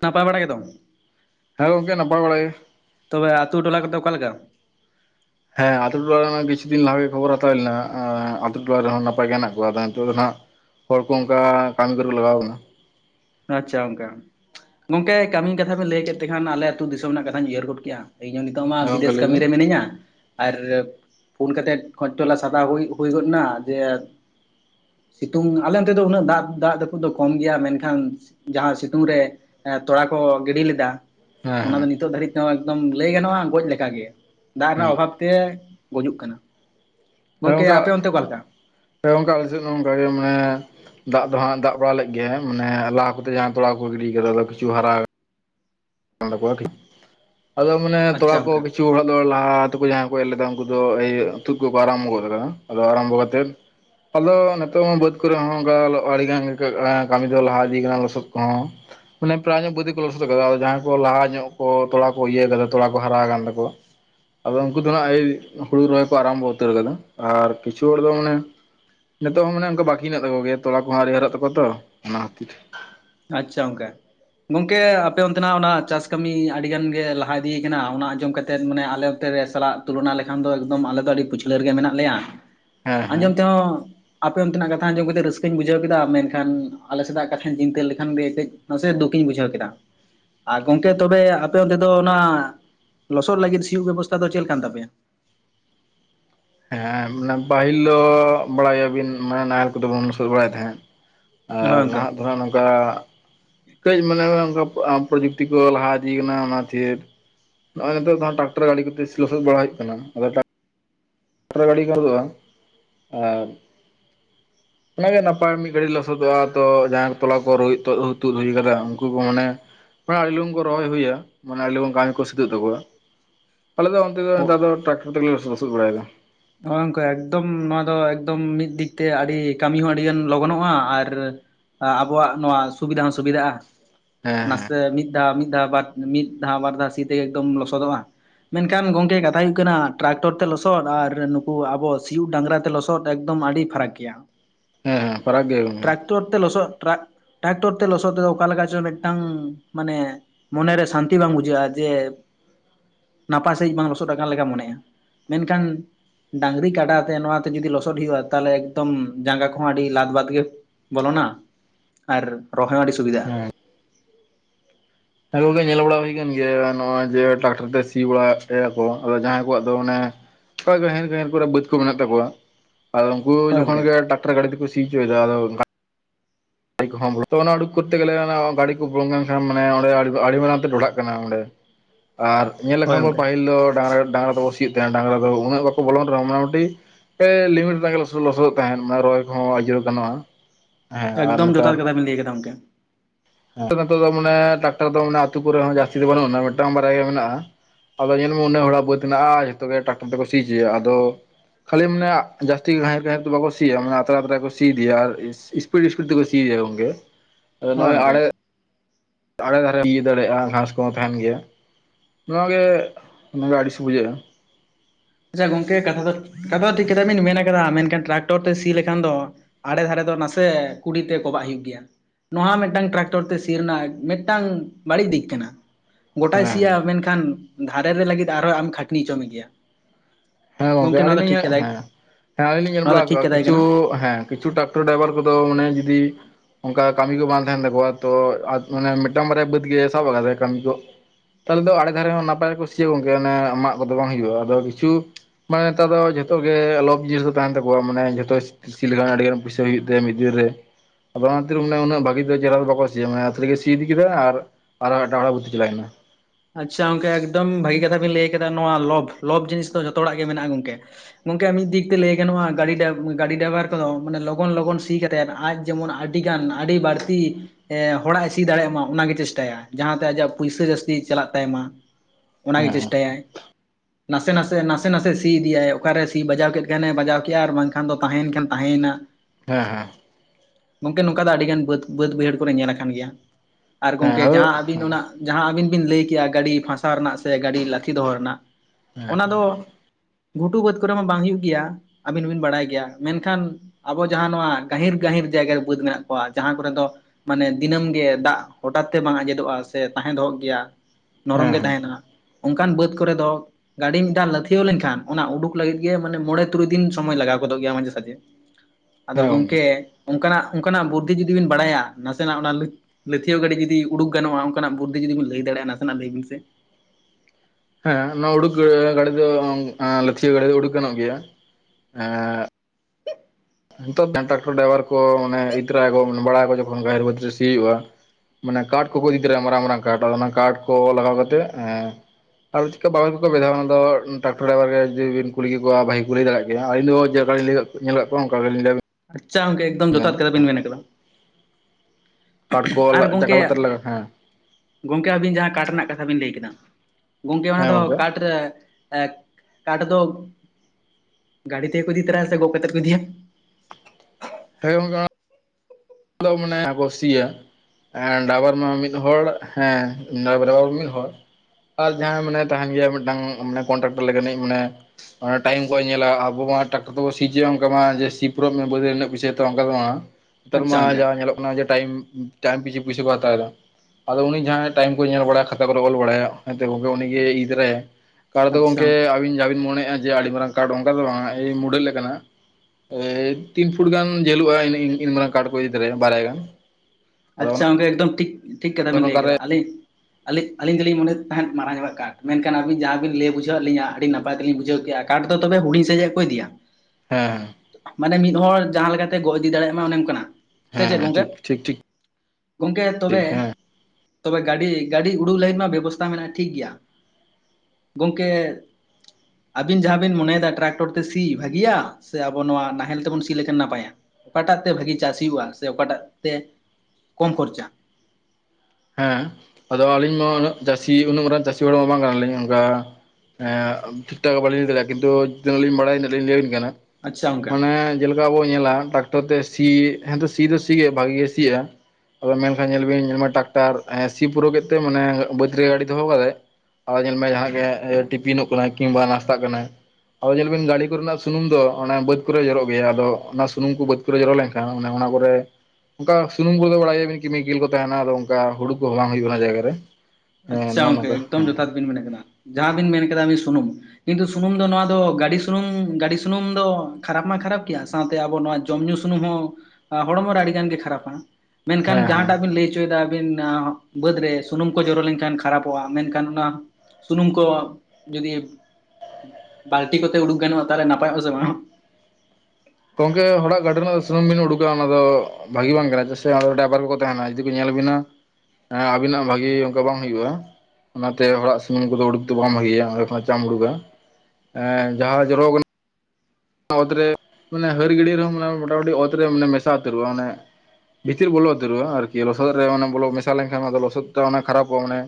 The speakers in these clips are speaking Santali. ᱱᱟᱯᱟᱭ ᱵᱟᱲᱟ ᱠᱮᱫᱚᱢ ᱦᱮᱸ ᱜᱚᱝᱠᱮ ᱱᱟᱯᱟᱭ ᱵᱟᱲᱟ ᱜᱮ ᱛᱚᱵᱮ ᱟᱛᱳ ᱴᱚᱞᱟ ᱠᱚᱨᱮ ᱫᱟ ᱚᱠᱟ ᱞᱮᱠᱟ? ᱦᱮᱸ ᱟᱛᱳ ᱴᱚᱞᱟ ᱨᱮᱱᱟᱜ ᱠᱤᱪᱷᱩ ᱫᱤᱱ ᱞᱟᱦᱟ ᱠᱷᱚᱵᱚᱨ ᱦᱟᱛᱟᱣ ᱦᱩᱭ ᱞᱮᱱᱟ ᱮ ᱟᱛᱳ ᱴᱚᱞᱟ ᱨᱮᱦᱚᱸ ᱱᱟᱯᱟᱭ ᱜᱮ ᱦᱱᱟᱜ ᱠᱚᱣᱟ ᱟᱫᱚ ᱱᱤᱛᱚᱜ ᱫᱚ ᱦᱟᱸᱜ ᱦᱚᱲ ᱠᱚ ᱚᱱᱠᱟ ᱠᱟᱹᱢᱤ ᱠᱚᱨᱮ ᱠᱚ ᱞᱟᱜᱟᱣ ᱟᱠᱟᱱᱟ ᱟᱪᱷᱟ ᱜᱚᱝᱠᱮ ᱜᱚᱝᱠᱮ ᱠᱟᱹᱢᱤ ᱠᱟᱛᱷᱟ ᱵᱮᱱ ᱞᱟᱹᱭ ᱠᱮᱫ ᱠᱷᱟᱱ ᱟᱞᱮ ᱟᱹᱛᱩ ᱫᱤᱥᱚᱢ ᱨᱮᱱᱟᱜ ᱠᱟᱛᱷᱟᱧ ᱩᱭᱦᱟᱹᱨ ᱜᱚᱫ ᱠᱮᱜᱼᱟ ᱤᱧ ᱦᱚᱸᱚᱸ [unintelligible] ᱢᱟ ᱦᱮᱸ ᱜᱚᱝᱠᱮ ᱵᱤᱫᱮᱥ ᱞᱟᱹᱭ ᱠᱟᱹᱢᱤ ᱵᱤᱱ ᱨᱮ ᱢᱤᱱᱟᱹᱧᱟ ᱟᱨᱨ ᱯᱷᱩᱱ ᱠᱟᱛᱮᱫ ᱠᱷᱚᱡ ᱛᱚᱞᱟᱥ ᱦᱟᱛᱟᱣ ᱦᱩᱭ ᱦᱩᱭ ᱜᱚᱫ ᱱᱟ ᱡᱮ ᱥᱤᱛᱩᱝ ᱟᱞᱮ ᱚᱱᱛᱮ ᱫᱚ ᱩᱱᱟᱹᱜ ᱫᱟᱜ ᱫᱟᱜ [unintelligible] ᱫᱚ ᱠᱚᱢ ᱜᱮᱭᱟ ᱢᱮᱱᱠᱷᱟᱱ ᱡᱟᱦᱟᱸ ᱥᱤᱛᱩᱝ ᱨᱮ ᱛᱚᱲᱟ ᱠᱚ ᱜᱤᱰᱤ ᱞᱮᱫᱟ ᱦᱮᱸ ᱚᱱᱟ ᱫᱚ ᱦᱮᱸ ᱱᱤᱛᱚᱜ ᱫᱷᱟᱹᱨᱤᱡ [unintelligible] ᱞᱟᱹᱭ ᱜᱟᱱᱚᱜᱼᱟ ᱜᱚᱡ ᱞᱮᱠᱟᱜᱮ ᱫᱟᱜ ᱦᱮᱸ ᱨᱮᱱᱟᱜ ᱚᱵᱷᱟᱵ ᱛᱮ ᱜᱩᱡᱩᱜ ᱠᱟᱱᱟ ᱦᱮᱸ ᱜᱚᱝᱠᱮ ᱟᱯᱮ ᱚᱱᱠᱟ ᱚᱱᱛᱮ ᱚᱠᱟ ᱞᱮᱠᱟ [unintelligible] [inaudible] ᱱᱚᱝᱠᱟᱜᱮ ᱢᱮᱱᱟᱭᱟ ᱫᱟᱜ ᱫᱚ ᱦᱟᱸᱜ ᱫᱟᱜ ᱵᱟᱲᱟ ᱞᱮᱫ ᱜᱮᱭᱟ ᱢᱟᱱᱮ ᱞᱟᱦᱟ ᱠᱚᱛᱮ ᱡᱟᱦᱟᱸ ᱛᱚᱲᱟ ᱠᱚ ᱜᱤᱰᱤ ᱠᱟᱫᱟ ᱠᱤᱪᱷᱩ ᱦᱟᱨᱟ [unintelligible] ᱟᱫᱚ ᱢᱟᱱᱮ ᱛᱚᱲᱟ ᱟᱪᱪᱷᱟ ᱠᱚ ᱜᱚᱝᱠᱮ ᱠᱤᱪᱷᱩ ᱠᱤᱪᱷᱩ ᱦᱚᱲᱟᱜ ᱫᱚ ᱞᱟᱦᱟ ᱛᱮᱠᱚ ᱡᱟᱦᱟᱸᱭ ᱠᱚ ᱮᱨ ᱞᱮᱫᱟ ᱩᱱᱠᱩ ᱫᱚ ᱛᱩᱫ ᱠᱚᱠᱚ ᱟᱨᱟᱢᱵᱚ ᱜᱚᱫ ᱠᱟᱫᱟ ᱟᱫᱚ᱾ ᱟᱨᱟᱢᱵᱚ ᱠᱟᱛᱮᱫ ᱟᱫᱚ ᱱᱤᱛᱚᱜ ᱦᱚᱸ ᱵᱟᱹᱫᱽ ᱠᱚᱨᱮ ᱦᱚᱸ ᱚᱱᱠᱟ ᱟᱹᱰᱤᱜᱟᱱ ᱠᱟᱹᱢᱤ ᱫᱚ ᱞᱟᱦᱟ ᱤᱫᱤ ᱠᱟᱱᱟ ᱞᱚᱥᱚᱫ ᱠᱚᱦᱚᱸ᱾ ᱯᱚᱨᱟᱭ ᱭᱚᱜ ᱯᱩᱨᱟ ᱵᱟᱹᱫᱽ ᱜᱮ ᱠᱚ ᱞᱚᱥᱚᱫᱟ ᱠᱚ ᱞᱟᱦᱟ ᱧᱚᱜ ᱠᱚ ᱛᱚᱲᱟ ᱠᱚ ᱤᱭᱟᱹ ᱠᱟᱫᱟ ᱛᱚᱲᱟ ᱠᱚ ᱦᱟᱨᱟ ᱟᱠᱟᱱ ᱛᱟᱠᱚᱣᱟ ᱟᱫᱚ ᱩᱱᱠᱩ ᱫᱚ ᱦᱟᱜ ᱩᱭ ᱦᱩᱲᱩ ᱨᱚᱦᱚᱭ ᱠᱚ ᱟᱨᱟᱢᱵᱚ ᱩᱛᱟᱹᱨ ᱟᱠᱟᱫᱟ ᱟᱨ ᱠᱤᱪᱷᱩ ᱦᱚᱲ ᱫᱚ ᱢᱟᱱᱮ᱾ ᱱᱤᱛᱚᱜ ᱦᱚᱸ ᱢᱟᱱᱮ ᱚᱱᱠᱟ ᱵᱟᱹᱠᱤ ᱢᱮᱱᱟᱜ ᱛᱟᱠᱚ ᱜᱮᱭᱟ ᱛᱚᱞᱟ ᱠᱚᱦᱚᱸ ᱟᱣᱨᱤ ᱦᱟᱨᱚᱜ ᱛᱟᱠᱚᱣᱟ ᱛᱚ ᱚᱱᱟ ᱠᱷᱟᱹᱛᱤᱨ ᱟᱪᱪᱷᱟ ᱜᱚᱢᱠᱮ ᱜᱚᱝᱠᱮ ᱟᱯᱮ ᱚᱱᱛᱮᱱᱟᱜ ᱚᱱᱟ ᱪᱟᱥ ᱠᱟᱹᱢᱤ ᱟᱹᱰᱤ ᱜᱟᱱ ᱜᱮ ᱞᱟᱦᱟ ᱤᱫᱤᱭ ᱠᱟᱱᱟ ᱚᱱᱟ ᱟᱸᱡᱚᱢ ᱠᱟᱛᱮᱫ ᱢᱟᱱᱮ ᱟᱞᱮ [unintelligible] ᱥᱟᱞᱟᱜ ᱛᱩᱞᱚᱱᱟ ᱞᱮᱠᱷᱟᱱ ᱫᱚ ᱮᱠᱫᱚᱢ ᱟᱞᱮ ᱫᱚ ᱟᱹᱰᱤ ᱯᱟᱹᱪᱷᱟᱞᱟᱹ ᱨᱮ ᱜᱮ ᱢᱮᱱᱟᱜ ᱞᱮᱭᱟ ᱦᱮᱸ ᱦᱮᱸ ᱟᱸᱡᱚᱢ ᱛᱮᱦᱚᱸ ᱟᱯᱮ ᱚᱱᱛᱮᱱᱟᱜ ᱠᱟᱛᱷᱟ ᱟᱸᱡᱚᱢ ᱠᱟᱛᱮ ᱨᱟᱹᱥᱠᱟᱹᱧ ᱵᱩᱡᱷᱟᱹᱣ ᱠᱮᱫᱟ ᱢᱮᱱᱠᱷᱟᱱ ᱟᱞᱮ ᱥᱮᱱᱟᱜ ᱠᱟᱛᱷᱟ ᱪᱤᱱᱛᱟᱹ ᱠᱷᱟᱱ ᱜᱮ ᱠᱟᱹᱡ ᱱᱟᱥᱮ ᱫᱩᱠᱤᱧ ᱵᱩᱡᱷᱟᱹᱣ ᱠᱮᱫᱟ᱾ ᱜᱚᱝᱠᱮ ᱛᱚᱵᱮ ᱟᱯᱮ ᱚᱱᱛᱮ ᱫᱚ ᱚᱱᱟ ᱞᱚᱥᱚᱫ ᱞᱟᱹᱜᱤᱫ ᱥᱤᱭᱳᱜ ᱵᱮᱵᱚᱥᱛᱷᱟ ᱫᱚ ᱪᱮᱫ ᱞᱮᱠᱟᱱ ᱛᱟᱯᱮᱭᱟ ᱦᱮᱸ ᱚᱱᱟ ᱯᱟᱹᱦᱤᱞ ᱫᱚ ᱵᱟᱲᱟᱭᱟᱵᱤᱱ ᱱᱟᱦᱮᱞ ᱠᱚᱛᱮᱵᱚᱱ ᱞᱚᱥᱚᱫ ᱵᱟᱲᱟᱭᱮᱫ ᱛᱟᱦᱮᱸᱫ᱾ ᱦᱳᱭ ᱟᱨ ᱜᱚᱝᱠᱮ ᱱᱟᱦᱟᱜ ᱫᱚ ᱱᱟ ᱱᱚᱝᱠᱟ ᱠᱟᱹᱡ ᱢᱚᱱᱮ ᱢᱮ ᱚᱱᱠᱟ ᱯᱨᱚᱡᱩᱠᱛᱤ ᱠᱚ ᱞᱟᱦᱟ ᱤᱫᱤᱭ ᱠᱟᱱᱟ ᱚᱱᱟᱛᱮ ᱱᱚᱜᱼᱚᱭ ᱫᱚ ᱴᱟᱠᱴᱟᱨ ᱜᱟᱰᱤ ᱠᱚᱛᱮ ᱞᱚᱥᱚᱫ ᱵᱟᱲᱟᱭ ᱦᱩᱭᱩᱜ ᱠᱟᱱᱟ᱾ ᱞᱚᱴᱟᱨ ᱜᱟᱹᱲᱤ ᱠᱚ ᱟᱨ ᱚᱱᱟᱜᱮ ᱱᱟᱯᱟᱭ ᱢᱤᱫ ᱜᱷᱟᱹᱲᱤᱡ ᱞᱚᱥᱚᱫᱚᱜᱼᱟ ᱛᱚ᱾ ᱡᱟᱦᱟᱸᱭ ᱠᱚ ᱛᱚᱞᱟ ᱠᱚ ᱚᱨ ᱛᱩᱫ ᱦᱩᱭ ᱠᱟᱫᱟ ᱩᱱᱠᱩ ᱠᱚ ᱢᱟᱱᱮ᱾ [unintelligible] ᱟᱹᱰᱤ ᱞᱚᱜᱚᱱ ᱠᱚ ᱨᱚᱦᱚᱭ ᱦᱩᱭᱟ ᱢᱟᱱᱮ ᱟᱹᱰᱤ ᱞᱚᱜᱚᱱ ᱠᱟᱹᱢᱤ ᱠᱚ [unintelligible] ᱛᱟᱠᱚᱣᱟ ᱟᱞᱮ ᱫᱚ ᱚᱱᱛᱮ ᱫᱚ ᱦᱳᱭ ᱱᱮᱛᱟᱨ ᱫᱚ ᱴᱨᱟᱠᱴᱚᱨ ᱛᱮᱜᱮ ᱞᱮ ᱞᱚᱥᱚᱫ ᱵᱟᱲᱟᱭ ᱫᱟ ᱱᱳᱭᱱᱚᱠᱟ ᱮᱠᱫᱚᱢ ᱱᱚᱣᱟ ᱫᱚ ᱮᱠᱫᱚᱢ ᱢᱤᱫ ᱫᱤᱠ ᱛᱮ ᱟᱹᱰᱤ ᱠᱟᱹᱢᱤ ᱦᱚᱸ ᱟᱹᱰᱤᱜᱟᱱ ᱞᱚᱜᱚᱱᱚᱜᱼᱟ ᱟᱨ ᱟᱵᱚᱣᱟᱜ ᱱᱚᱣᱟ ᱥᱩᱵᱤᱫᱷᱟ ᱦᱚᱸ ᱥᱩᱵᱤᱫᱷᱟᱜᱼᱟ ᱦᱮᱸ ᱦᱮᱸ ᱱᱟᱥᱮ ᱢᱤᱫ [unintelligible] ᱢᱤᱫ ᱫᱷᱟᱣ [unintelligible] ᱢᱤᱫ ᱫᱷᱟᱣ ᱵᱟᱨ ᱫᱷᱟᱣ ᱥᱤ ᱛᱮᱜᱮ ᱮᱠᱫᱚᱢ ᱞᱚᱥᱚᱫᱚᱜᱼᱟ ᱢᱮᱱᱠᱷᱟᱱ ᱜᱚᱝᱠᱮ ᱠᱟᱛᱷᱟ ᱦᱩᱭᱩᱜ ᱠᱟᱱᱟ ᱴᱨᱟᱠᱴᱚᱨ ᱛᱮ ᱞᱚᱥᱚᱫ ᱟᱨ ᱱᱩᱠᱩ ᱟᱵᱚ ᱥᱤᱭᱳᱜ ᱰᱟᱝᱨᱟ ᱛᱮ ᱞᱚᱥᱚᱫ ᱮᱠᱫᱚᱢ ᱟᱹᱰᱤ ᱯᱷᱟᱨᱟᱠ ᱜᱮᱭᱟ᱾ ᱦᱮᱸ ᱦᱮᱸ ᱯᱷᱟᱨᱟᱠ ᱜᱮᱭᱟ ᱵᱤᱱ᱾ ᱛᱚᱫ ᱛᱮ ᱞᱚᱥᱚᱫ ᱴᱨᱟᱠᱴ ᱴᱨᱟᱠᱴᱚᱨ ᱛᱮ ᱞᱚᱥᱚᱫ ᱛᱮᱫᱚ ᱚᱠᱟ ᱞᱮᱠᱟ ᱪᱚᱝ ᱢᱤᱫᱴᱟᱝ ᱢᱟᱱᱮ ᱢᱚᱱᱮ ᱨᱮ ᱥᱟᱱᱛᱤ ᱵᱟᱝ ᱵᱩᱡᱷᱟᱹᱜᱼᱟ ᱡᱮ ᱱᱟᱯᱟᱭ ᱥᱟᱹᱦᱤᱡ ᱵᱟᱝ ᱞᱚᱥᱚᱫ ᱟᱠᱟᱱ ᱞᱮᱠᱟ ᱢᱚᱱᱮᱜᱼᱟ ᱢᱮᱱᱠᱷᱟᱱ ᱰᱟᱝᱨᱤ ᱠᱟᱰᱟ ᱛᱮ ᱱᱚᱣᱟᱛᱮ ᱡᱩᱫᱤ ᱞᱚᱥᱚᱫ ᱦᱩᱭᱩᱜᱼᱟ᱾ ᱛᱟᱞᱮ ᱮᱠᱫᱚᱢ ᱡᱟᱸᱜᱟ ᱠᱚᱦᱚᱸ ᱟᱹᱰᱤ ᱞᱟᱫᱵᱟᱫᱽ ᱜᱮ ᱵᱚᱞᱚᱱᱟ ᱟᱨ ᱨᱚᱦᱚᱭ ᱦᱚᱸ ᱟᱹᱰᱤ ᱥᱩᱵᱤᱫᱟᱜᱼᱟ᱾ ᱦᱮ ᱠᱚᱜᱮ ᱧᱮᱞ ᱵᱟᱲᱟ ᱦᱩᱭ ᱠᱟᱱ ᱜᱮᱭᱟ, ᱱᱚᱜᱼᱚᱭ ᱡᱮ ᱴᱨᱟᱠᱴᱟᱨ ᱛᱮ ᱥᱤ ᱵᱟᱲᱟᱭ ᱮᱫ ᱛᱟᱦᱮ ᱠᱚ ᱟᱫᱚ ᱡᱟᱦᱟᱸᱭ ᱠᱚᱣᱟᱜ ᱫᱚ ᱚᱱᱮ ᱚᱠᱚᱭ ᱜᱟᱹᱦᱤᱨ ᱜᱟᱹᱦᱤᱨ ᱠᱚᱨᱮ ᱵᱟᱹᱫᱽ ᱠᱚ ᱢᱮᱱᱟᱜ ᱛᱟᱠᱚᱣᱟ ᱟᱨ ᱩᱱᱠᱩ ᱦᱳᱭ ᱜᱚᱝᱠᱮ ᱡᱚᱠᱷᱚᱱ ᱜᱮ ᱴᱟᱠᱴᱟᱨ ᱜᱟ. ᱰᱤ ᱛᱮᱠᱚ ᱥᱤ ᱚᱪᱚᱭᱮᱫᱟ ᱟᱫᱚ [unintelligible] ᱚᱱᱟ ᱩᱰᱩᱠ ᱠᱚᱨᱛᱮ ᱜᱮᱞᱮ ᱚᱱᱟ ᱜᱟᱹᱰᱤ ᱠᱚ ᱵᱚᱞᱚᱱ ᱞᱮᱱ ᱠᱷᱟᱱ ᱢᱟᱱᱮ ᱚᱸᱰᱮ ᱟᱹᱰᱤ ᱢᱟᱨᱟᱝ ᱛᱮ ᱰᱷᱚᱰᱟᱜ ᱠᱟᱱᱟ ᱚᱸᱰᱮ [inaudible] ᱟᱨ ᱧᱮᱞ ᱦᱳᱭ ᱞᱮᱠᱷᱟᱱ ᱵᱚᱱ ᱜᱚᱝᱠᱮ ᱯᱟᱹᱦᱤᱞ ᱫᱚ ᱰᱟᱝᱨᱟ ᱰᱟᱝᱨᱟ ᱛᱮᱵᱚᱱ ᱥᱤᱭᱮᱫ ᱛᱟᱦᱮᱸᱫ ᱰᱟᱝᱨᱟ ᱫᱚ ᱩᱱᱟᱹᱜ ᱵᱟᱠᱚ ᱵᱚᱞᱚᱱ ᱨᱮᱦᱚᱸ ᱢᱚᱴᱟᱢᱩᱴᱤ [unintelligible] ᱨᱮᱱᱟᱜ ᱞᱚᱥᱚ ᱞᱚᱥᱚᱫᱚᱜ ᱛᱟᱦᱮᱸᱱ ᱨᱚᱦᱚᱭ ᱠᱚᱦᱚᱸ ᱤᱭᱟᱹ [unintelligible] ᱜᱟᱱᱚᱜᱼᱟ ᱦᱮᱸ ᱟᱨ ᱮᱠᱫᱚᱢ ᱱᱮᱛᱟᱨ ᱡᱚᱛᱷᱟᱛ ᱠᱟᱛᱷᱟ ᱵᱤᱱ ᱞᱟᱹᱭ ᱠᱟᱫᱟ ᱜᱚᱢᱠᱮ! ᱱᱤᱛᱚᱜ ᱫᱚ ᱢᱟᱱᱮ ᱴᱟᱠᱴᱟᱨ ᱫᱚ ᱢᱟᱱᱮ ᱟᱛᱩ ᱠᱚᱨᱮ ᱦᱚᱸ ᱡᱟᱹᱥᱛᱤ ᱫᱚ ᱵᱟᱹᱱᱩᱜᱼᱟ᱾ ᱢᱤᱫᱴᱟᱝ ᱵᱟᱨᱟᱭ ᱜᱮ ᱢᱮᱱᱟᱜᱼᱟ᱾ ᱟᱫᱚ ᱧᱮᱞ ᱢᱮ ᱩᱱᱟᱹᱜ ᱦᱚᱲᱟᱜ ᱵᱟᱹᱫᱽ ᱦᱮᱱᱟᱜᱼᱟ᱾ ᱡᱚᱛᱚ ᱜᱮ ᱴᱨᱟᱠᱴᱟᱨ ᱛᱮᱠᱚ ᱥᱤ ᱦᱚᱪᱚᱭᱟ ᱟᱫᱚ ᱠᱷᱟᱞᱤ ᱢᱟᱱᱮ ᱡᱟᱥᱛᱤ ᱵᱟᱭ ᱛᱮ ᱵᱟᱠᱚ ᱥᱤᱭᱟ ᱟᱛᱨᱟ ᱟᱛᱨᱟ ᱠᱚ ᱥᱤ ᱤᱫᱤᱭᱟ ᱟᱨ [unintelligible] ᱥᱤ ᱜᱮᱭᱟ ᱜᱚᱝᱠᱮ ᱟᱫᱚ ᱦᱳᱭ ᱱᱚᱜᱼᱚᱭ ᱟᱲᱮ ᱜᱚᱝᱠᱮ ᱟᱲᱮ ᱫᱷᱟᱨᱮᱢ [inaudible] ᱤᱭᱟᱹ ᱫᱟᱲᱮᱭᱟᱜᱼᱟ ᱜᱷᱟᱥ ᱠᱚᱦᱚᱸ ᱛᱟᱦᱮᱱ ᱜᱮᱭᱟ ᱱᱚᱶᱟ ᱜᱮ ᱱᱚ ᱟᱜᱮ ᱟᱹᱲᱤᱥ ᱜᱮ ᱵᱩᱡᱷᱟᱹᱜᱼᱟ, ᱟᱪᱪᱷᱟ ᱜᱚᱝᱠᱮ ᱠᱟᱛᱷᱟ ᱫᱚ ᱠᱟᱛᱷᱟ ᱫᱚ ᱴᱷᱤᱠ ᱠᱟᱛᱷᱟ ᱵᱤᱱ ᱢᱮᱱ ᱟᱠᱟᱫᱟ ᱢᱮᱱᱠᱷᱟᱱ ᱴᱨᱟᱠᱴᱚᱨ ᱛᱮ ᱥᱤ ᱞᱮᱠᱷᱟᱱ ᱫᱚ ᱟᱲᱮ ᱫᱷᱟᱨᱮ ᱫᱚ ᱱᱟᱥᱮ ᱠᱩᱰᱤᱛᱮ ᱠᱚᱵᱟᱜ ᱦᱩᱭᱩᱜ ᱜᱮᱭᱟ, ᱱᱚᱶᱟ ᱦᱚ ᱢᱤᱫ ᱴᱟᱝ ᱴᱨᱟᱠᱴᱚᱨ ᱛᱮ ᱥᱤᱭ ᱨᱮᱱᱟᱜ ᱢᱤᱫ ᱴᱟᱝ ᱵᱟᱹᱲᱤᱡ ᱫᱤᱠ ᱠᱟᱱᱟ᱾ ᱜᱚᱴᱟᱭ ᱥᱤᱭᱟ ᱦᱮᱸ ᱢᱮᱱᱠᱷᱟᱱ ᱫᱷᱟᱨᱮ ᱨᱮ ᱞᱟᱹᱜᱤᱫ ᱟᱨ ᱦᱚᱸ ᱟᱢ ᱮ ᱠᱷᱟᱹᱴᱱᱤ ᱪᱚ ᱢᱮᱜᱮᱭᱟ, ᱦᱮᱸ ᱜᱚᱝᱠᱮ ᱱᱚᱣᱟ ᱟᱞᱤᱧ ᱫᱚ ᱴᱷᱤᱠ ᱞᱤᱧ [unintelligible] ᱠᱟᱫᱟᱭ ᱦᱮᱸ ᱦᱮᱸ ᱟᱞᱤᱧ ᱞᱤᱧ ᱧᱮᱞ ᱱᱚᱣᱟ ᱫᱚ ᱵᱟᱲᱟ ᱴᱷᱤᱠ ᱠᱟᱜᱼᱟ ᱠᱟᱫᱟᱭ ᱠᱤᱪᱷᱩ ᱠᱟᱱᱟ ᱦᱮᱸ ᱠᱤᱪᱷᱩ ᱴᱨᱟᱠᱴᱚᱨ ᱰᱟᱭᱵᱷᱟᱨ ᱠᱚᱫᱚ ᱢᱟᱱᱮ ᱡᱩᱫᱤ ᱚᱱᱠᱟ ᱠᱟᱹᱢᱤ ᱠᱚ ᱵᱟᱝ ᱛᱟᱦᱮᱱ ᱛᱟᱠᱚᱣᱟ ᱛᱚ [unintelligible] ᱢᱟᱱᱮ ᱢᱤᱫᱴᱟᱝ ᱵᱟᱨᱮᱭᱟ ᱵᱟᱹᱫᱽ ᱜᱮ ᱥᱟᱵ ᱟᱠᱟᱫ ᱟᱭ ᱠᱟᱹᱢᱤ ᱠᱚ, ᱛᱟᱦᱚᱞᱮ ᱫᱚ ᱟᱲᱮ ᱫᱷᱟᱨᱮ ᱦᱚᱸ ᱱᱟᱯᱟᱭ ᱜᱮ ᱠᱚ ᱥᱤᱭᱟ ᱜᱚᱢᱠᱮ ᱚᱱᱮ ᱢᱟᱜ ᱠᱚᱫᱚ ᱵᱟᱝ ᱦᱩᱭᱩᱜᱼᱟ, ᱟᱫᱚ ᱠᱤᱪᱷᱩ ᱢᱟᱱᱮ ᱱᱮᱛᱟᱨ ᱫᱚ ᱡᱷᱚᱛᱚ ᱜᱮ ᱟᱞᱚᱯ ᱡᱤᱱᱤᱥ ᱫᱚ ᱛᱟᱦᱮᱱ ᱛᱟᱠᱚᱣᱟ ᱢᱟᱱᱮ ᱡᱷᱚᱛᱚ, ᱥᱤ ᱞᱮᱠᱷᱟᱱ ᱟᱹᱰᱤ ᱜᱟᱱ ᱯᱚᱭᱥᱟ ᱦᱩᱭᱩᱜ ᱛᱟᱭᱟ ᱢᱤᱫ ᱫᱤᱱ ᱨᱮ, ᱟᱫᱚ ᱚᱱᱟ ᱠᱷᱟᱹᱛᱤᱨ ᱩᱱᱟ. ᱩᱱᱟᱹᱜ ᱵᱷᱟᱹᱜᱤ ᱫᱚ ᱪᱮᱦᱨᱟ ᱫᱚ ᱵᱟᱠᱚ ᱥᱤᱭᱟ [unintelligible] ᱜᱮ ᱥᱤ ᱤᱫᱤ ᱠᱮᱫᱟ ᱟᱨ ᱟᱨᱦᱚ ᱮᱴᱟᱜ ᱦᱚᱲᱟᱜ ᱵᱩᱫᱽ ᱛᱤ ᱪᱟᱞᱟᱭᱱᱟ, ᱟᱪᱪᱷᱟ ᱜᱚᱝᱠᱮ ᱮᱠᱫᱚᱢ ᱵᱷᱟᱹᱜᱤ ᱠᱟᱛᱷᱟ ᱵᱤᱱ ᱞᱟᱹᱭ ᱟᱠᱟᱫᱟ ᱱᱚᱣᱟ ᱞᱚᱵᱽ ᱞᱚᱵᱽ ᱡᱤᱱᱤᱥ ᱠᱚ ᱡᱷᱚᱛᱚ ᱦᱚᱲᱟᱜ ᱜᱮ ᱢᱮᱱᱟᱜᱼᱟ ᱜᱚᱝᱠᱮ, ᱜᱚᱝᱠᱮ ᱢᱤᱫ ᱫᱤᱠ ᱛᱮ ᱞᱟᱹᱭ ᱜᱟᱱᱚᱜᱼᱟ ᱜᱟᱹᱰᱤ ᱰᱟᱵ ᱜᱟᱹᱰᱤ ᱰᱟᱭᱵᱷᱟᱨ ᱠᱚᱫᱚ ᱢᱟᱱᱮ ᱞᱚᱜᱚᱱ ᱞᱚᱜᱚᱱ ᱥᱤ ᱠᱟᱛᱮᱫ ᱟᱡ ᱡᱮᱢᱚᱱ ᱟᱹᱰᱤᱜᱟᱱ ᱟᱹᱰᱤ ᱵᱟᱹᱲᱛᱤ, ᱦᱚᱲᱟᱜ ᱮ ᱥᱤ ᱫᱟᱲᱮᱭᱟᱜ ᱢᱟ ᱚᱱᱟᱜᱮᱭ ᱪᱮᱥᱴᱟᱭᱟ ᱡᱟᱦᱟᱸᱛᱮ ᱟᱡᱟᱜ ᱯᱩᱭᱥᱟᱹ ᱡᱟᱹᱥᱛᱤ ᱪᱟᱞᱟᱜ ᱛᱟᱭᱢᱟ ᱚᱱᱟᱜᱮ ᱦᱮᱸ ᱪᱮᱥᱴᱟᱭᱟᱭ, ᱱᱟᱥᱮ ᱱᱟᱥᱮ ᱱᱟᱥᱮ ᱱᱟᱥᱮ ᱥᱤ ᱤᱫᱤᱭᱟᱭ ᱚᱠᱟᱨᱮ ᱥᱤ ᱵᱟᱡᱟᱣ ᱠᱮᱫ ᱠᱷᱟᱱᱮ ᱵᱟᱡᱟᱣ ᱠᱮᱫᱼᱟ ᱟᱨ ᱵᱟᱝᱠᱷᱟᱱ ᱫᱚ ᱛᱟᱦᱮᱭᱮᱱ ᱠᱷᱟᱱ ᱛᱟᱦᱮᱸ ᱭᱮᱱᱟ, ᱦᱮᱸ ᱦᱮᱸ, ᱜᱚᱝᱠᱮ ᱱᱚᱝᱠᱟ ᱫᱚ ᱟᱹᱰᱤ ᱜᱟᱱ ᱵᱟᱹᱫᱽ ᱵᱟᱹᱫᱽ ᱵᱟᱹᱭᱦᱟᱹᱲ ᱠᱚᱨᱮ ᱧᱮᱞ ᱟᱠᱟᱱ ᱜᱮᱭᱟ, ᱟᱨ ᱦᱮᱸ ᱦᱮᱸ ᱦᱮᱸ ᱜᱚᱝᱠᱮ ᱟᱫᱚ ᱡᱟᱦᱟᱸ ᱟᱹᱵᱤᱱ ᱦᱮᱸ ᱚᱱᱟ ᱡᱟᱦᱟᱸ ᱟᱹᱵᱤᱱ ᱵᱤᱱ ᱞᱟᱹᱭ ᱠᱮᱜᱼᱟ ᱜᱟᱹᱰᱤ ᱯᱷᱟᱥᱟᱣ ᱨᱮᱱᱟᱜ ᱥᱮ ᱜᱟᱹᱰᱤ ᱞᱟᱹᱛᱷᱤ ᱫᱚᱦᱚ ᱨᱮᱱᱟᱜ, ᱚᱱᱟ ᱫᱚ ᱜᱷᱩᱴᱩ ᱵᱟᱹᱫᱽ ᱠᱚᱨᱮ ᱦᱚᱸ ᱵᱟᱝ ᱦᱩᱭᱩᱜ ᱜᱮᱭᱟ ᱟᱹᱵᱤᱱ ᱵᱤᱱ ᱵᱟᱲᱟᱭ ᱜᱮᱭᱟ ᱢᱮᱱᱠᱷᱟᱱ ᱟᱵᱚ ᱡᱟᱦᱟᱸ ᱱᱚᱣᱟ ᱜᱟᱹᱦᱤᱨ ᱜᱟᱹᱦᱤᱨ ᱡᱟᱭᱜᱟ ᱨᱮ ᱵᱟᱹᱫᱽ ᱢᱮᱱᱟᱜ ᱠᱚᱣᱟ ᱡᱟᱦᱟᱸ ᱠᱚᱨᱮ ᱫᱚ ᱢᱟᱱᱮ ᱫᱤᱱᱟᱹᱢ ᱜᱮ ᱫᱟᱜ ᱦᱚᱴᱟᱛ ᱛᱮ ᱵᱟᱝ ᱟᱸᱡᱮᱫᱚᱜᱼᱟ ᱥᱮ ᱛᱟᱦᱮᱸ ᱫᱚᱦᱚᱜ ᱜᱮᱭᱟ, ᱦᱮᱸ ᱱᱚᱨᱚᱢ ᱦᱮᱸ ᱜᱮ ᱦᱮᱸ ᱛᱟᱦᱮᱸᱱᱟ ᱚᱱᱠᱟᱱ ᱵᱟᱹᱫᱽ ᱠᱚᱨᱮ ᱫᱚ ᱜᱟᱹᱰᱤ ᱢᱤᱫ ᱫᱷᱟᱣ ᱞᱟᱹᱛᱷᱤᱟᱹᱣ ᱞᱮᱱᱠᱷᱟᱱ ᱚᱱᱟ ᱩᱰᱩᱠ ᱞᱟᱹᱜᱤᱫ ᱜᱮ ᱢᱟᱱᱮ ᱢᱚᱬᱮ ᱛᱩᱨᱩᱭ ᱫᱤᱱ ᱥᱚᱢᱚᱭ ᱞᱟᱜᱟᱣ ᱜᱚᱫᱚᱜ ᱜᱤᱭᱟ ᱢᱟᱡᱮ ᱥᱟᱡᱮ, ᱟᱫᱚ ᱜᱚᱝᱠᱮ ᱚᱱᱠᱟᱱᱟᱜ ᱚᱱᱠᱟᱱᱟᱜ ᱵᱩᱨᱫᱽᱫᱷᱤ ᱡᱩᱫᱤ ᱵᱮᱤᱱ ᱵᱟᱲᱟᱭᱟ ᱱᱟᱥᱮᱱᱟᱜ ᱚᱱᱟ ᱞᱟᱹᱭ ᱞᱟᱹᱛᱷᱤᱭᱟᱹ ᱜᱟᱹᱰᱤ ᱡᱩᱫᱤ ᱩᱰᱩᱠ ᱜᱟᱱᱚᱜ-ᱟ ᱚᱱᱠᱟᱱᱟᱜ ᱵᱫᱽᱫᱷᱤ ᱡᱩᱫᱤ ᱵᱤᱱ ᱞᱟᱹᱭ ᱫᱟᱲᱭᱟᱜ-ᱟ ᱱᱟᱥᱮᱱᱟᱜ ᱞᱟᱹᱭ ᱵᱤᱱ ᱥᱮ, ᱦᱮᱸ ᱱᱚᱣᱟ ᱩᱰᱩᱠ ᱜᱟ. ᱰ ᱜᱟᱹᱰᱤ ᱫᱚ ᱞᱟᱹᱛᱷᱤᱭᱟᱹ ᱜᱟᱹᱰᱤ ᱫᱚ ᱩᱰᱩᱠ ᱜᱟᱱᱚᱜ ᱜᱮᱭᱟ ᱮ ᱱᱤᱛᱚᱜ ᱫᱟᱜ ᱴᱨᱟᱠᱴᱚᱨ ᱰᱨᱟᱭᱵᱷᱟᱨ ᱠᱚ ᱢᱟᱱᱮ ᱤᱫᱤ ᱛᱚᱨᱟᱭᱟᱠᱚ ᱢᱟᱱᱮ ᱵᱟᱲᱟᱭᱟ ᱠᱚ ᱡᱚᱠᱷᱚᱱ ᱜᱟᱹᱦᱤᱨ ᱵᱟᱹᱛᱨᱤ ᱥᱤᱭ ᱦᱩᱭᱩᱜᱼᱟ, ᱢᱟᱱᱮ ᱠᱟᱴᱷ ᱠᱚᱠᱚ ᱤᱫᱤ ᱛᱚᱨᱟᱭᱮᱫ ᱟ ᱢᱟᱨᱟᱝ ᱢᱟᱨᱟᱝ ᱠᱟᱴᱷ ᱟᱫᱚ ᱚᱱᱟ ᱠᱟᱴᱷ ᱠᱚ ᱞᱟᱜᱟᱣ ᱠᱟᱛᱮ ᱮ ᱟᱫᱚ ᱪᱮᱫᱠᱟ ᱵᱟᱵᱮᱨ ᱛᱮᱠᱚ ᱵᱮᱫᱷᱟᱣ-ᱟ ᱚᱱᱟ ᱫᱚ ᱴᱟᱠᱴᱚᱨ ᱰᱟᱭᱵᱟᱨ ᱜᱮ ᱡᱩᱫᱤ ᱵᱤᱱ ᱠᱩᱞᱤ ᱠᱮᱠᱚᱣᱟ ᱵᱷᱟᱜᱤ ᱠᱩ ᱞᱟᱹᱭ ᱫᱟᱲᱮᱭᱟᱜ [unintelligible] ᱟᱹᱞᱤᱧ ᱫᱚ [unintelligible] ᱧᱮᱞ ᱠᱟᱜ ᱠᱚᱣᱟ ᱚᱱᱠᱟ ᱜᱮᱞᱤᱧ ᱞᱮᱭᱟᱵᱤᱱ ᱟᱪᱷᱟ ᱜᱚᱢᱠᱮ ᱮᱠᱫᱚᱢ ᱡᱚᱛᱷᱟᱛ ᱠᱟᱛᱷᱟ ᱵᱤᱱ ᱢᱮᱱ ᱟᱠᱟᱫᱟ, ᱟᱨ ᱠᱟᱴᱠᱚᱞ ᱪᱟᱠᱟ ᱜᱚᱢᱠᱮ ᱞᱟᱛᱟᱨ ᱞᱟᱜᱟ ᱦᱮᱸ ᱜᱚᱢᱠᱮ ᱟᱹᱵᱤᱱ ᱡᱟᱦᱟᱸ ᱠᱟᱴᱷ ᱨᱮᱱᱟᱜ ᱠᱟᱛᱷᱟ ᱵᱤᱱ ᱞᱟᱹᱭ ᱠᱮᱫᱟ ᱜᱚᱢᱠᱮ ᱚᱱᱟ ᱦᱮᱸ ᱫᱚ ᱜᱚᱝᱠᱮ ᱠᱟᱴᱷᱨᱮ ᱮᱠ ᱠᱟᱴᱷ ᱫᱚ ᱜᱟᱰᱤ ᱛᱮᱜᱮᱠᱚ ᱤᱫᱤ ᱛᱟᱨᱟᱭᱟ ᱥᱮ ᱜᱚᱜ ᱠᱟᱛᱮᱜ ᱠᱚ ᱤᱫᱤᱭᱟ ᱦᱮᱸ [unintelligible] [unintelligible] ᱟᱵᱚ ᱥᱤᱭᱟ ᱮ ᱰᱟᱭᱵᱟᱨ ᱢᱟ ᱢᱤᱫ ᱦᱚᱲ ᱦᱮᱸ ᱰᱟᱭᱵᱟᱨ ᱢᱤᱫ ᱦᱚᱲ, ᱟᱨ ᱡᱟᱦᱟᱸᱭ ᱢᱟᱱᱮ ᱛᱟᱦᱮᱱ ᱜᱤᱭᱟ ᱢᱤᱫᱴᱟᱝ ᱢᱟᱱᱮ ᱠᱚᱱᱴᱨᱟᱠᱴᱟᱨ ᱞᱮᱠᱟᱱᱤᱡ ᱢᱟᱱᱮ ᱚᱱᱟ ᱴᱟᱭᱤᱢ ᱠᱚᱸᱭ ᱧᱮᱞᱟ ᱟᱵᱚ ᱢᱟ ᱴᱟᱠᱴᱟᱨ ᱛᱮᱵᱚ ᱥᱤᱨ ᱥᱤ ᱪᱚᱭᱟ ᱚᱱᱠᱟ ᱢᱟ ᱡᱮ ᱥᱤ ᱯᱩᱨᱟᱹᱣ ᱢᱮ ᱵᱟᱹᱫ ᱨᱮ ᱱᱤᱱᱟᱹᱜ ᱯᱚᱭᱥᱟᱭ ᱦᱟᱛᱟᱣ-ᱟ ᱚᱱᱠᱟ ᱫᱚ ᱵᱟᱝ-ᱟ, ᱱᱮᱛᱟᱨ ᱟᱪᱪᱷᱟ ᱢᱟ ᱜᱚᱝᱠᱮ ᱡᱟᱦᱟᱸ ᱧᱮᱞᱚᱜ ᱠᱟᱱᱟ ᱡᱮ ᱴᱟᱭᱤᱢ ᱴᱟᱭᱤᱢ ᱯᱤᱪᱷᱤ ᱯᱚᱭᱥᱟ ᱠᱚ ᱦᱟᱛᱟᱣ ᱮᱫᱟ, ᱟᱫᱚ ᱩᱱᱤ ᱡᱟᱦᱟᱸᱭ ᱴᱟᱭᱤᱢ ᱠᱚᱭ ᱧᱮᱞ ᱵᱟᱲᱟᱭᱟ ᱠᱷᱟᱛᱟ ᱠᱚᱨᱮ ᱚᱞ ᱵᱟᱲᱟᱭᱟ ᱮᱛᱮ ᱜᱚᱝᱠᱮ ᱩᱱᱤ ᱜᱮ ᱤᱫᱤ ᱛᱟᱨᱟᱭᱟᱭ, ᱠᱟᱨ ᱫᱚ ᱟᱪᱪᱷᱟ ᱜᱚᱝᱠᱮ ᱜᱚᱢᱠᱮ ᱟᱵᱤᱱ ᱡᱟᱦᱟᱸ ᱵᱤᱱ ᱢᱚᱱᱮ ᱮᱫᱼᱟ ᱡᱮ ᱟᱹᱰᱤ ᱢᱟᱨᱟᱝ ᱠᱟᱴ ᱚᱱᱠᱟ ᱫᱚ ᱵᱟᱝ ᱟ ᱮ ᱢᱩᱰᱮᱞ ᱞᱮᱠᱟᱱᱟᱜ ᱮ ᱛᱤᱱ ᱯᱷᱩᱴ ᱜᱟᱱ ᱡᱷᱟᱹᱞᱚᱜ-ᱟ ᱤᱱᱟᱹ ᱤᱱ ᱢᱟᱨᱟᱝ ᱠᱟᱴᱷ ᱠᱚ ᱤᱫᱤ ᱛᱚᱨᱟᱭᱟ ᱵᱟᱨᱟᱭᱟ ᱜᱟᱱ, ᱟᱫᱚ ᱚᱱᱟ ᱟᱪᱪᱷᱟ ᱜᱚᱝᱠᱮ ᱮᱠᱫᱚᱢ ᱴᱷᱤᱠ ᱴᱷᱤᱠ ᱠᱟᱛᱷᱟ ᱵᱤᱱ ᱡᱚᱠᱷᱚᱱ ᱞᱟᱹᱭ ᱠᱟᱫᱟ ᱚᱠᱟᱨᱮ ᱟᱹᱞᱤᱧ ᱟᱹᱞᱤᱧ ᱟᱹᱞᱤᱧ ᱫᱚᱞᱤᱧ ᱢᱚᱱᱮᱭᱮᱫ ᱛᱟᱦᱮᱸᱫ ᱢᱟᱨᱟᱝ ᱧᱚᱜᱟᱜ ᱠᱟᱴ ᱢᱮᱱᱠᱷᱟᱱ ᱟᱵᱤᱱ ᱡᱟᱦᱟᱸ ᱵᱤᱱ ᱞᱟᱹᱭ ᱵᱩᱡᱷᱟᱹᱣᱟᱫ ᱞᱤᱧᱟᱹ ᱟᱹᱰᱤ ᱱᱟᱯᱟᱭ ᱛᱮᱞᱤᱧ ᱵᱩᱡᱷᱟᱹᱣ ᱠᱮᱫᱮᱜᱼᱟ ᱠᱟᱴᱷ ᱫᱚ ᱛᱚᱵᱮ ᱦᱩᱰᱤᱧ ᱥᱟᱭᱤᱡᱟᱜ ᱜᱮᱠᱚ ᱤᱫᱤᱭᱟ ᱦᱮᱸ ᱢᱟᱱᱮ ᱢᱤᱫ ᱦᱚᱲ ᱡᱟᱦᱟᱸ ᱞᱮᱠᱟᱛᱮ ᱜᱚᱫ ᱤᱫᱤ ᱫᱟᱲᱮᱭᱟᱜ ᱢᱟ ᱚᱱᱮ ᱚᱱᱠᱟᱱᱟᱜ ᱦᱮᱸ ᱴᱷᱤᱠ ᱴᱷᱤᱠ ᱴᱷᱤᱠ ᱜᱚᱢᱠᱮ ᱴᱷᱤᱠ ᱛᱚᱵᱮ ᱦᱮᱸ ᱛᱚᱵᱮ ᱜᱟᱹᱰᱤ ᱜᱟᱹᱰᱤ ᱩᱰᱩᱠ ᱞᱟᱹᱜᱤᱫ ᱨᱮᱱᱟᱜ ᱵᱮᱵᱚᱥᱛᱷᱟ ᱢᱮᱱᱟᱜᱼᱟ ᱴᱷᱤᱠ ᱜᱮᱭᱟ ᱜᱚᱝᱠᱮ ᱟᱵᱤᱱ ᱡᱟᱦᱟᱸ ᱵᱤᱱ ᱢᱚᱱᱮᱭᱮᱫᱟ ᱴᱨᱟᱠᱴᱚᱨ ᱛᱮ ᱥᱤ ᱵᱷᱟᱹᱜᱤᱭᱟ ᱥᱮ ᱟᱵᱚ ᱱᱚᱣᱟ ᱱᱟᱦᱮᱞ ᱛᱮᱵᱚᱱ ᱥᱤ ᱞᱮᱠᱷᱟᱱ ᱱᱟᱯᱟᱭᱟ ᱚᱠᱟᱴᱟᱜ ᱛᱮ ᱵᱷᱟᱜᱤ ᱪᱟᱥ ᱦᱩᱭᱩᱜᱼᱟ ᱥᱮ ᱚᱠᱟᱴᱟᱜ ᱛᱮ ᱠᱚᱢ ᱠᱷᱚᱨᱪᱟ ᱦᱮᱸ ᱟᱫᱚ ᱟᱹᱞᱤᱧ ᱢᱟ ᱩᱱᱟᱹᱜ ᱪᱟᱹᱥᱤ ᱩᱱᱟᱹᱜ ᱢᱟᱨᱟᱝ ᱪᱟᱹᱥᱤ ᱦᱚᱲ ᱢᱟ ᱵᱟᱝ ᱠᱟᱱᱟᱞᱤᱧ ᱚᱱᱠᱟ [unintelligible] ᱴᱷᱤᱠ ᱴᱷᱟᱠ ᱵᱟᱹᱞᱤᱧ ᱞᱟᱹᱭ ᱫᱟᱲᱮᱭᱟᱜᱼᱟ ᱠᱤᱱᱛᱩ ᱛᱤᱱᱟᱹᱜ ᱞᱤᱧ ᱵᱟᱲᱟᱭᱟ ᱩᱱᱟᱹᱜ ᱫᱚ ᱞᱤᱧ ᱞᱟᱹᱭᱮᱫ ᱜᱮᱭᱟᱱᱟᱜ ᱟᱪᱪᱷᱟ ᱜᱚᱝᱠᱮ ᱢᱟᱱᱮ ᱡᱮᱞᱮᱠᱟ ᱟᱵᱚ ᱧᱮᱞᱟ ᱴᱟᱨᱟᱠᱴᱚᱨ ᱛᱮ ᱥᱤ ᱦᱮᱛᱚ ᱥᱤ ᱫᱚ ᱥᱤ ᱜᱮ ᱵᱷᱟᱜᱤ ᱜᱮ ᱥᱤᱭᱟ ᱟᱫᱚ ᱢᱮᱱᱠᱷᱟᱱ ᱧᱮᱞᱵᱤᱱ ᱴᱨᱟᱠᱴᱟᱨ ᱥᱤ ᱯᱩᱨᱟᱹ ᱠᱮᱫ ᱛᱮ ᱢᱟᱱᱮ ᱵᱟᱹᱫᱽ ᱨᱮ ᱜᱟᱹᱰᱤ ᱫᱚᱦᱚ ᱠᱟᱫᱟᱭ ᱟᱫᱚ ᱧᱮᱞ ᱢᱮ ᱡᱟᱦᱟᱸ ᱜᱮ ᱴᱤᱯᱤᱱᱚᱜ ᱠᱟᱱᱟ ᱠᱤᱢᱵᱟ ᱱᱟᱥᱛᱟᱜ ᱠᱟᱱᱟᱭ ᱟᱫᱚ ᱧᱮᱞ ᱵᱮᱱ ᱜᱟᱹᱰᱤ ᱠᱚᱨᱮᱱᱟᱜ ᱥᱩᱱᱩᱢ ᱫᱚ ᱚᱱᱟ ᱵᱟᱹᱫᱽ ᱠᱚᱨᱮ ᱡᱚᱨᱚᱜ ᱜᱮᱭᱟ ᱟᱫᱚ ᱚᱱᱟ ᱥᱩᱱᱩᱢ ᱠᱚ ᱵᱟᱹᱫᱽ ᱠᱚᱨᱮ ᱡᱚᱨᱚ ᱞᱮᱱᱠᱷᱟᱱ ᱚᱱᱟ ᱠᱚᱨᱮ ᱚᱱᱠᱟ ᱥᱩᱱᱩᱢ ᱠᱚᱫᱚ ᱵᱟᱲᱟᱭᱟᱵᱤᱱ ᱠᱤᱢᱮᱠᱮᱞ ᱠᱚ ᱛᱟᱦᱮᱱᱟ ᱟᱨᱦᱚᱸ ᱦᱩᱲᱩ ᱠᱚ ᱵᱟᱝ ᱦᱩᱭᱩᱜ-ᱟ ᱚᱱᱟ ᱡᱟᱭᱜᱟ ᱨᱮ ᱦᱮᱸ ᱟᱪᱪᱷᱟ ᱱᱚᱜᱼᱚ ᱜᱚᱝᱠᱮ ᱱᱚᱝᱠᱟ ᱮᱠᱫᱚᱢ ᱦᱮᱸ ᱡᱚᱛᱷᱟᱛ ᱵᱤᱱ ᱢᱮᱱ ᱟᱠᱟᱫᱟ ᱡᱟᱦᱟᱸ ᱵᱤᱱ ᱢᱮᱱ ᱟᱠᱟᱫᱟ ᱥᱩᱱᱩᱢ ᱠᱤᱱᱛᱩ ᱥᱩᱱᱩᱢ ᱫᱚ ᱱᱚᱣᱟ ᱫᱚ ᱜᱟᱹᱰᱤ ᱥᱩᱱᱩᱢ ᱜᱟᱹᱰᱤ ᱥᱩᱱᱩᱢ ᱫᱚ ᱠᱷᱟᱨᱟᱯ ᱢᱟ ᱠᱷᱟᱨᱟᱯ ᱜᱮᱭᱟ ᱥᱟᱶᱛᱮ ᱟᱵᱚ ᱱᱚᱣᱟ ᱡᱚᱢᱼᱧᱩ ᱥᱩᱱᱩᱢ ᱦᱚᱸ ᱦᱚᱲᱢᱚ ᱨᱮ ᱟᱹᱰᱤ ᱜᱟᱱ ᱜᱮ ᱠᱷᱟᱨᱟᱯᱟ ᱾ ᱦᱮᱸ ᱢᱮᱱᱠᱷᱟᱱ ᱡᱟᱦᱟᱸ ᱦᱮᱸ ᱴᱟᱜ ᱵᱤᱱ ᱞᱟᱹᱭ ᱚᱪᱚᱭᱫᱟ ᱟᱹᱵᱤᱱ ᱵᱟᱹᱫ ᱨᱮ ᱥᱩᱱᱩᱢ ᱠᱚ ᱡᱚᱨᱚ ᱞᱮᱱ ᱠᱷᱟᱼ ᱴᱮᱱ, ᱠᱷᱟᱨᱟᱯᱚᱜᱼᱟ ᱢᱮᱱᱠᱷᱟᱱ ᱚᱱᱟ ᱥᱩᱱᱩᱢ ᱠᱚ ᱡᱩᱫᱤ ᱵᱟᱞᱴᱤ ᱠᱚᱛᱮ ᱩᱰᱩᱠ ᱜᱟᱱᱚᱜᱼᱟ ᱛᱟᱦᱞᱮ ᱱᱟᱯᱟᱭᱚᱜᱼᱟ ᱥᱮ ᱵᱟᱝ ᱜᱚᱝᱠᱮ ᱦᱚᱲᱟᱜ ᱜᱟᱹᱰᱤ ᱨᱮᱱᱟᱜ ᱥᱩᱱᱩᱢ ᱵᱤᱱ ᱩᱰᱩᱠᱟ ᱚᱱᱟ ᱫᱚ ᱵᱷᱟᱜᱤ ᱵᱟᱝ ᱠᱟᱱᱟ ᱥᱮ, ᱚᱱᱟ ᱰᱟᱭᱵᱟᱨ ᱠᱚᱠᱚ ᱛᱟᱦᱮᱸᱱᱟ ᱡᱩᱫᱤ ᱠᱚ ᱧᱮᱞ ᱵᱤᱱᱟ? ᱦᱮᱸ ᱟᱵᱤᱱᱟᱜ ᱵᱷᱟᱜᱤ ᱚᱱᱠᱟ ᱵᱟᱝ ᱦᱩᱭᱩᱜᱼᱟ᱾ ᱚᱱᱟᱛᱮ ᱦᱚᱲᱟᱜ ᱥᱩᱱᱩᱢ ᱠᱚᱫᱚ ᱩᱰᱩᱠ ᱫᱚ ᱵᱟᱝ ᱵᱷᱟᱹᱜᱤᱭᱟ, ᱚᱸᱰᱮ ᱠᱷᱚᱱᱟᱜ ᱪᱟᱜ ᱮᱢ ᱩᱰᱩᱠᱟ ᱮᱸ ᱡᱟᱦᱟᱸ ᱨᱮ ᱡᱚᱨᱚ ᱠᱟᱱᱟ ᱚᱛ ᱨᱮ ᱢᱟᱱᱮ ᱦᱟᱹᱨ ᱜᱤᱲᱤ ᱨᱮᱦᱚᱸᱢ ᱢᱟᱱᱮ ᱢᱚᱴᱟᱼᱢᱩᱴᱤ ᱚᱛ ᱨᱮ ᱢᱟᱱᱮ ᱢᱮᱥᱟ ᱩᱛᱟᱹᱨᱚᱜᱼᱟ᱾ ᱢᱟᱱᱮ ᱵᱷᱤᱛᱤᱨ ᱵᱚᱞᱚ ᱩᱛᱟᱹᱨᱚᱜᱼᱟ, ᱟᱨᱠᱤ ᱞᱚᱥᱚᱫ ᱨᱮ ᱚᱱᱟ ᱵᱚᱞ ᱢᱮᱥᱟ ᱞᱮᱱᱠᱷᱟᱱ ᱞᱚᱥᱚᱫ ᱫᱚ ᱚᱱᱟ ᱠᱷᱟᱨᱟᱯᱚᱜᱼᱟ᱾ ᱢᱟᱱᱮ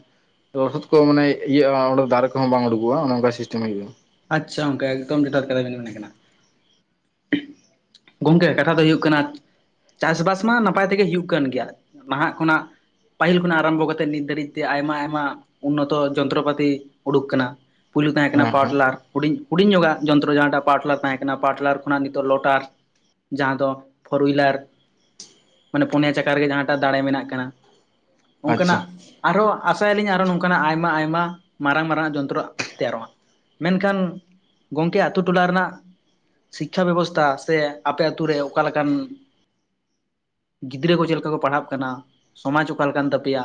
ᱞᱚᱥᱚᱫ ᱠᱚ ᱢᱟᱱᱮ ᱤᱭᱟᱹᱜᱼᱟ, ᱚᱸᱰᱮ ᱫᱟᱨᱮ ᱠᱚᱦᱚᱸ ᱵᱟᱝ ᱩᱰᱩᱠᱚᱜᱼᱟ, ᱚᱱᱮ ᱚᱱᱠᱟ ᱥᱤᱥᱴᱮᱢ ᱦᱩᱭᱩᱜᱼᱟ᱾ ᱟᱪᱪᱷᱟ ᱜᱚᱝᱠᱮ ᱮᱠᱫᱚᱢ ᱡᱚᱛᱷᱟᱛ ᱠᱟᱛᱷᱟ ᱜᱮ ᱢᱮᱱᱮᱫ ᱠᱟᱱᱟ᱾ ᱜᱚᱝᱠᱮ ᱠᱟᱛᱷᱟ ᱫᱚ ᱦᱩᱭᱩᱜ ᱠᱟᱱᱟ ᱪᱟᱥᱵᱟᱥ ᱢᱟ ᱱᱟᱯᱟᱭ ᱛᱮᱜᱮ ᱦᱩᱭᱩᱜ ᱠᱟᱱ ᱜᱮᱭᱟ, ᱱᱟᱦᱟᱜ ᱠᱷᱚᱱᱟᱜ᱾ ᱯᱟᱹᱦᱤᱞ ᱠᱷᱚᱱᱟᱜ ᱟᱨᱟᱢᱵᱷᱚ ᱠᱟᱛᱮᱫ ᱱᱤᱛ ᱫᱷᱟᱹᱨᱤᱡ ᱛᱮ ᱟᱭᱢᱟ ᱟᱭᱢᱟ ᱩᱱᱱᱚᱛᱚ ᱡᱚᱱᱛᱨᱚᱯᱟᱛᱤ ᱩᱰᱩᱠ ᱟᱠᱟᱱᱟ᱾ ᱯᱩᱭᱞᱩ ᱛᱟᱦᱮᱸ ᱠᱟᱱᱟ ᱦᱮᱸ ᱯᱟᱣᱟᱨ ᱦᱮᱸ ᱴᱤᱞᱟᱨ ᱦᱩᱰᱤᱧ, ᱦᱩᱰᱤᱧ ᱧᱚᱜᱟᱜ ᱡᱚᱱᱛᱨᱚ ᱡᱟᱦᱟᱸᱴᱟᱜ ᱯᱟᱣᱟᱨ ᱴᱤᱞᱟᱨ ᱛᱟᱦᱮᱸ ᱠᱟᱱᱟ ᱯᱟᱣᱟᱨ ᱴᱤᱞᱟᱨ ᱠᱷᱚᱱᱟᱜ ᱱᱤᱛᱚᱜ ᱞᱚᱴᱟᱨ ᱡᱟᱸ ᱫᱚ ᱯᱷᱳᱨ ᱩᱭᱞᱟᱨᱼᱼ ᱢᱟᱱᱮ ᱯᱩᱱᱭᱟ ᱪᱟᱠᱟ ᱨᱮᱜᱮ ᱡᱟᱦᱟᱸᱴᱟᱜ ᱫᱟᱲᱮ ᱢᱮᱱᱟᱜ ᱠᱟᱱᱟ ᱟᱪᱪᱷᱟ ᱚᱱᱠᱟᱱᱟᱜ ᱟᱨᱦᱚᱸ ᱟᱥᱟᱭᱟᱞᱤᱧ ᱟᱨᱚ ᱱᱚᱝᱠᱟᱱᱟᱜ ᱟᱭᱢᱟ ᱟᱭᱢᱟ ᱢᱟᱨᱟᱝ ᱢᱟᱨᱟᱝᱱᱟᱜ ᱡᱚᱱᱛᱨᱚ ᱛᱮᱭᱟᱨᱚᱜᱼᱟ ᱢᱮᱱᱠᱷᱟᱱ ᱜᱚᱝᱠᱮ ᱟᱛᱩ ᱴᱚᱞᱟ ᱨᱮᱱᱟᱜ ᱥᱤᱠᱠᱷᱟ ᱵᱮᱵᱚᱥᱛᱷᱟ ᱥᱮ ᱟᱯᱮ ᱟᱛᱩ ᱨᱮ ᱚᱠᱟ ᱞᱮᱠᱟᱱ ᱜᱤᱫᱽᱨᱟᱹ ᱠᱚ ᱪᱮᱜ ᱞᱮᱠᱟ ᱠᱚ ᱯᱟᱲᱦᱟᱜ ᱠᱟᱱᱟ ᱥᱚᱢᱟᱡᱽ ᱚᱠᱟᱞᱮᱠᱟᱱ ᱛᱟᱯᱮᱭᱟ᱾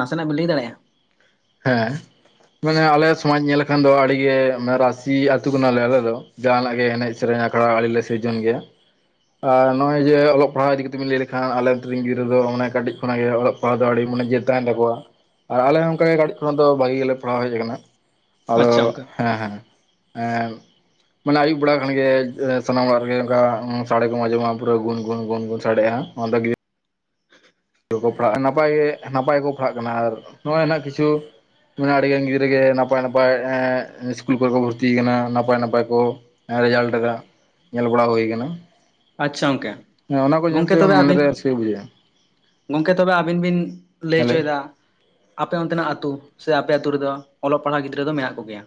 ᱱᱟᱥᱮᱱᱟᱜ ᱵᱮᱤᱱ ᱞᱟᱹᱭ ᱫᱟᱲᱭᱟᱜᱼᱟ᱾ ᱦᱮᱸ ᱢᱟᱱᱮ ᱟᱞᱮ ᱥᱚᱢᱟᱡᱽ ᱧᱮᱞ ᱞᱮᱠᱷᱟᱱ ᱫᱚ ᱟᱹᱰᱤ ᱜᱮ ᱨᱟᱥᱤ ᱟᱹᱛᱩ ᱠᱟᱱᱟᱞᱮ ᱟᱞᱮ ᱫᱚ᱾ ᱡᱟᱦᱟᱱᱟᱜ ᱜᱮ ᱮᱱᱮᱡ ᱥᱮᱨᱮᱧ ᱟᱠᱷᱲᱟ ᱟᱹᱰᱤ ᱞᱮ ᱥᱤᱨᱤᱡᱚᱱ ᱜᱮᱭᱟ᱾ ᱟᱨ ᱱᱚᱜᱼᱚᱭ ᱡᱮ ᱚᱞᱚᱜ ᱯᱟᱲᱦᱟᱣ ᱤᱫᱤ ᱠᱟᱛᱮ ᱵᱮᱱ ᱞᱟᱹᱭ ᱞᱮᱠᱷᱟᱱ ᱟᱞᱮ ᱱᱚᱛᱮ ᱨᱮᱱ ᱜᱤᱫᱨᱟᱹ ᱫᱚ ᱢᱟᱱᱮ ᱠᱟᱹᱴᱤᱡ ᱠᱷᱚᱱᱟᱜ ᱜᱮ ᱚᱞᱚᱜ ᱦᱚᱲ ᱫᱚ ᱟᱹᱰᱤ ᱢᱟᱱᱮ ᱡᱮᱛ ᱛᱟᱦᱮᱸᱱ ᱛᱟᱠᱚᱣᱟ ᱟᱨ ᱟᱞᱮ ᱦᱚᱸ ᱚᱱᱠᱟ ᱜᱮ ᱠᱟᱹᱴᱤᱡ ᱛᱚ ᱟᱫᱚ ᱵᱷᱟᱹᱜᱤ ᱜᱮᱞᱮ ᱯᱟᱲᱟᱣ ᱦᱮᱡ ᱟᱠᱟᱱᱟ, ᱟᱫᱚ ᱟᱪᱪᱷᱟ ᱜᱚᱝᱠᱮ ᱦᱮᱸ ᱦᱮᱸ ᱦᱮᱸ ᱮᱸ ᱢᱟᱱᱮ ᱟᱭᱩᱵ ᱵᱮᱲᱟ ᱠᱷᱟᱱ ᱜᱮ ᱥᱟᱱᱟᱢ ᱚᱲᱟᱜ ᱨᱮᱜᱮ ᱚᱱᱠᱟ ᱥᱟᱰᱮ ᱠᱚᱢ ᱟᱸᱡᱚᱢᱟ ᱯᱩᱨᱟᱹ ᱜᱩᱱ ᱜᱩᱱ ᱜᱩᱱ ᱜᱩᱱ ᱥᱟᱰᱮᱭᱟᱜᱼᱟ ᱚᱱᱟ ᱫᱚ ᱜᱤᱫᱽᱨᱟᱹ ᱯᱟᱲᱦᱟᱜᱼᱟ ᱱᱟᱯᱟᱭ ᱜᱮ ᱱᱟᱯᱟᱭ ᱜᱮᱠᱚ ᱯᱟᱲᱦᱟᱜ ᱠᱟᱱᱟ ᱟᱨ ᱱᱚᱜᱼᱚᱭ ᱱᱟᱦᱟᱜ ᱠᱤᱪᱷᱩ ᱟᱹᱰᱤᱜᱟᱱ ᱜᱤᱫᱽᱨᱟᱹ ᱜᱮ ᱱᱟᱯᱟᱭ ᱱᱟᱯᱟᱭᱸ ᱤᱥᱠᱩᱞ ᱠᱚᱨᱮ ᱠᱚ ᱵᱷᱩᱨᱛᱤ ᱟᱠᱟᱱᱟ ᱱᱟᱯᱟᱭ ᱱᱟᱯᱟᱭ ᱠᱚ ᱨᱮᱡᱟᱞᱴ ᱧᱮᱞ ᱵᱟᱲᱟ ᱦᱩᱭ ᱟᱠᱟᱱᱟ ᱟᱪᱷᱟ ᱜᱚᱢᱠᱮ ᱦᱮᱸ ᱚᱱᱟ ᱠᱚ ᱧᱮᱞᱛᱮ ᱢᱚᱱᱮᱨᱮ ᱨᱟᱹᱥᱠᱟᱹ ᱵᱩᱡᱷᱟᱹᱜᱼᱟ ᱜᱚᱢᱠᱮ ᱛᱚᱵᱮ ᱟᱹᱵᱤᱱ ᱵᱤᱱ ᱞᱟᱹᱭ ᱦᱮᱞᱳ ᱦᱮᱸ ᱦᱚᱪᱚᱭᱮᱫᱟ ᱟᱯᱮ ᱚᱱᱛᱮᱱᱟᱜ ᱟ. ᱛᱳ ᱥᱮ ᱟᱯᱮ ᱟ. ᱛᱳ ᱨᱮᱫᱚ ᱚᱞᱚᱜ ᱯᱟᱲᱦᱟᱜ ᱜᱤᱫᱽᱨᱟᱹ ᱫᱚ ᱢᱮᱱᱟᱜ ᱠᱚᱜᱮᱭᱟ